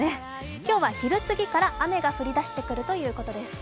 今日は昼すぎから雨が降りだしてくるということです。